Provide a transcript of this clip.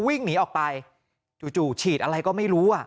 วิ่งหนีออกไปจู่ฉีดอะไรก็ไม่รู้